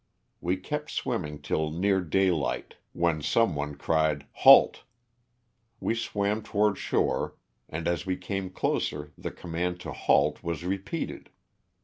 We kept swimming till near daylight, when some one 328 LOSS OF THE SULTANA. cried " Halt!" We swam toward shore and as we came closer the command to "Halt,'' was repeated.